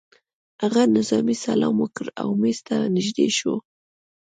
هغه نظامي سلام وکړ او مېز ته نږدې شو